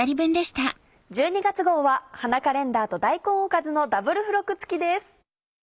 １２月号は「花カレンダー」と「大根おかず」のダブル付録付きです。